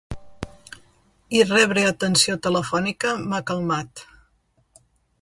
I rebre atenció telefònica m’ha calmat.